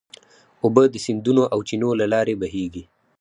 اوبه د سیندونو او چینو له لارې بهېږي.